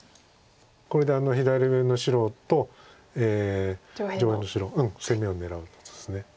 これであの左上の白と上辺の白攻めを狙うんです。